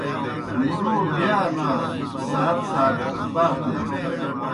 مُلَو بِیا ناسوْ سات سات باکہ دِیسوْ۔